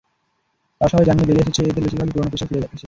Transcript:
তারা সবাই জামিনে বেরিয়ে এসেছে, এদের বেশির ভাগই পুরোনো পেশায় ফিরে এসেছে।